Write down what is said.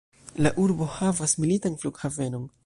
La urbo havas militan flughavenon.